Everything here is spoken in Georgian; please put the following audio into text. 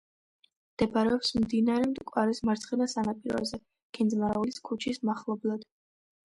მდებარეობს მდინარე მტკვარის მარცხენა სანაპიროზე, ქინძმარაულის ქუჩის მახლობლად.